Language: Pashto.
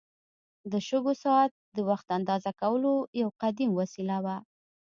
د شګو ساعت د وخت اندازه کولو یو قدیم وسیله وه.